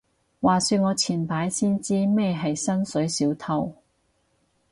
話說我前排先知咩係薪水小偷